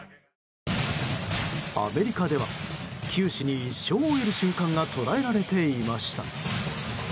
アメリカでは九死に一生を得る瞬間が捉えられていました。